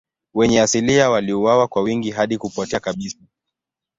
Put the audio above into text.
Wenyeji asilia waliuawa kwa wingi hadi kupotea kabisa.